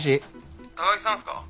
☎高木さんすか？